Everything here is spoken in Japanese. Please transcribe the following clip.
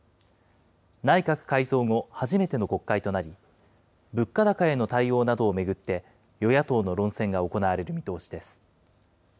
内閣改造後、初めての国会となり、物価高への対応などを巡って、与野党の論戦が行われる見通しです。